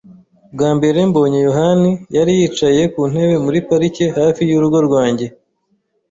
Bwa mbere mbonye yohani, yari yicaye ku ntebe muri parike hafi y'urugo rwanjye.